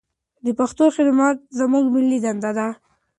د پښتو خدمت زموږ ملي دنده ده.